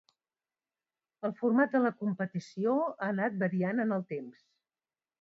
El format de la competició ha anat variant en el temps.